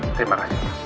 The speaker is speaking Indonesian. terima kasih pak